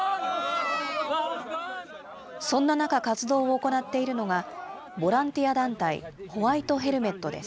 そんな中、活動を行っているのが、ボランティア団体、ホワイト・ヘルメットです。